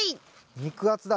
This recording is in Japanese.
肉厚だ。